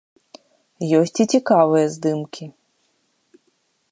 Ёсць і цікавыя здымкі.